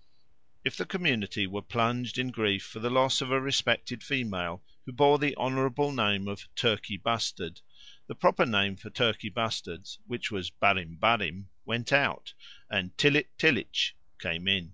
_ If the community were plunged in grief for the loss of a respected female who bore the honourable name of Turkey Bustard, the proper name for turkey bustards, which was barrim barrim, went out, and tillit tilliitsh came in.